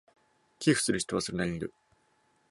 寄付する人はそれなりにいる